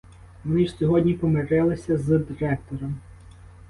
Вони ж сьогодні помирилися з директором.